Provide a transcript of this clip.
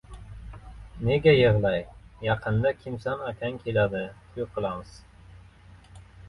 Nega yig‘lay? Yaqinda Kimsan akang keladi. To‘y qilamiz.